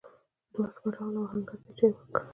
دوه عسکر راغلل او آهنګر ته یې چای ورکړ.